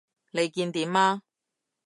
你見點啊？